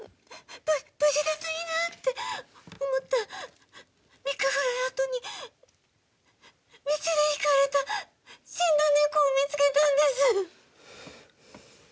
無事だといいなぁ」って思った３日ぐらいあとに道でひかれた死んだ猫を見つけたんです。